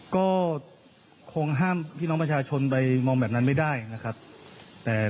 ก็คงห้ามพี่น้องประชาชนไปมองแบบนั้นไม่ได้นะครับแต่